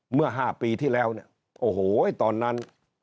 เมื่อ๕ปีที่แล้วเนี่ยโอ้โหตอนนั้น